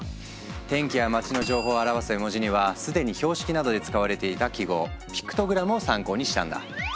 天気や街の情報を表す絵文字には既に標識などで使われていた記号ピクトグラムを参考にしたんだ。